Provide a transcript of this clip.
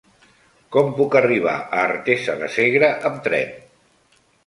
Com puc arribar a Artesa de Segre amb tren?